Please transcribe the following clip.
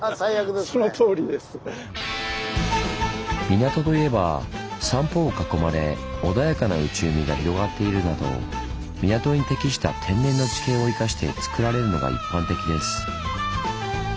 港といえば三方を囲まれ穏やかな内海が広がっているなど港に適した「天然の地形」を生かしてつくられるのが一般的です。